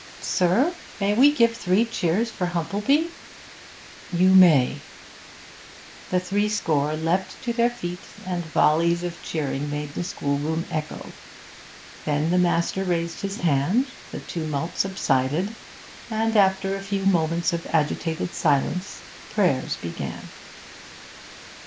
'Sir, may we give three cheers for Humplebee?' 'You may.' The threescore leapt to their feet, and volleys of cheering made the schoolroom echo. Then the master raised his hand, the tumult subsided, and after a few moments of agitated silence, prayers began.